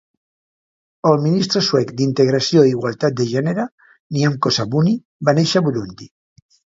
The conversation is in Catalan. El ministre suec d'integració i igualtat de gènere, Nyamko Sabuni, va néixer a Burundi.